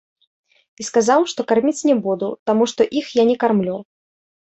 І сказаў, што карміць не буду, таму што іх я не кармлю.